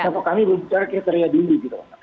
karena kami belum bicara kriteria dini gitu mbak